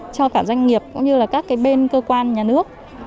cho cả doanh nghiệp cũng như là các cái bên cơ quan nhà nước